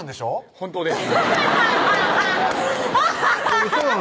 本当です